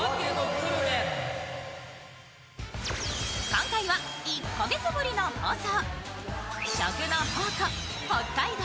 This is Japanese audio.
今回は１か月ぶりの放送。